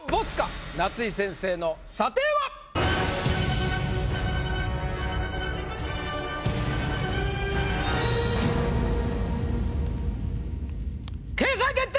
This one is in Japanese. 夏井先生の査定は⁉掲載決定！